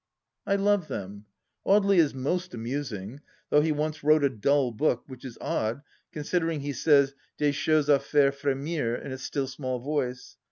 I love them. Audely is most amusing, though he once wrote a dull book, which is odd, considering he says des choses d faire frSmir in a still small voice.